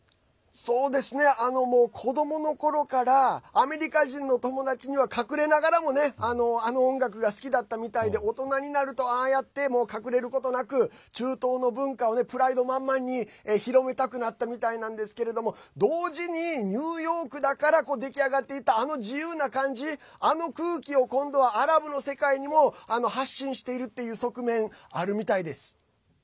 子どものころからアメリカ人の友達には隠れながらもあの音楽が好きだったみたいで大人になるとああやって隠れることなく中東の文化をプライド満々に広めたくなったみたいなんですけど同時に、ニューヨークだから出来上がっていったあの自由な感じ、あの空気を今度はアラブの世界にも発信しているっていう側面あるみたいです。